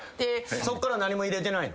そっから何も入れてないの？